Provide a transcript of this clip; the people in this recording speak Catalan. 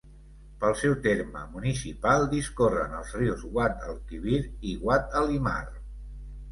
Pel seu terme municipal discorren els rius Guadalquivir i Guadalimar.